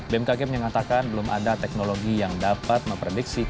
bmkg menyatakan belum ada teknologi yang dapat memprediksi